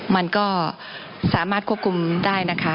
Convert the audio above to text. มันก็สามารถควบคุมได้นะคะ